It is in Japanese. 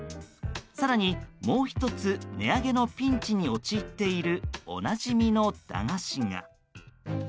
更に、もう１つ値上げのピンチに陥っているおなじみの駄菓子が。